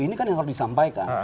ini kan yang harus disampaikan